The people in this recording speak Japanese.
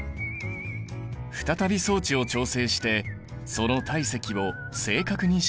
再び装置を調整してその体積を正確に調べる。